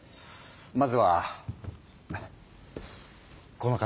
まずはこの方。